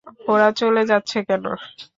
ওরা চলে যাচ্ছে কেন?